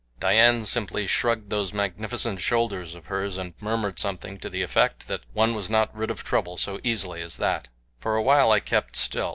Dian simply shrugged those magnificent shoulders of hers, and murmured something to the effect that one was not rid of trouble so easily as that. For a while I kept still.